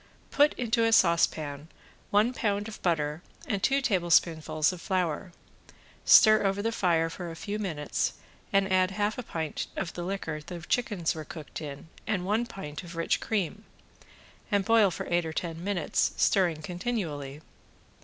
Put into a saucepan one pound of butter and two tablespoonfuls of flour, stir over the fire for a few minutes and add half a pint of the liquor the chickens were cooked in and one pint of rich cream, and boil for eight or ten minutes, stirring continually.